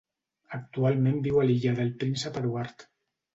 Actualment viu a l'illa del Príncep Eduard.